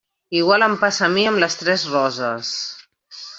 Igual em passa a mi amb Les Tres Roses.